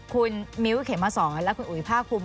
คุณมิวเขมมสอนและคุณอุยภาคคุม